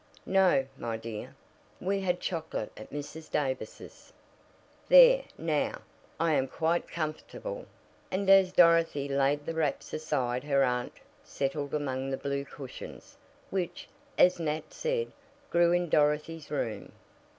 "No, my dear. We had chocolate at Mrs. Davis's. There, now, I am quite comfortable," and as Dorothy laid the wraps aside her aunt settled among the blue cushions, which, as Nat said, "grew in Dorothy's room."